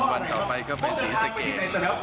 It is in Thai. วันต่อปะก็ไปศรีศกีพฤกษ์